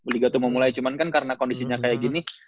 liga tuh mau mulai cuman kan karena kondisinya kayak gini